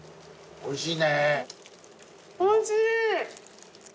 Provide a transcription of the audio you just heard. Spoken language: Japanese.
おいしい。